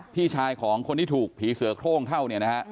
พี่ชายของคนที่ถูกผีเสือกโท่งเข้า